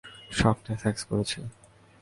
স্বপ্নে সেক্স করেছি।